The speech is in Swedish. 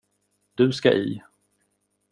Du ska i.